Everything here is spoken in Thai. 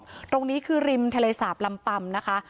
ตรงนี้คือริมทะเลสาบลำปำนะคะ